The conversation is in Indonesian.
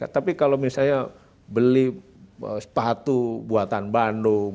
tapi kalau misalnya beli sepatu buatan bandung